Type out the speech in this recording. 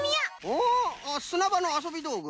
おすなばのあそびどうぐ？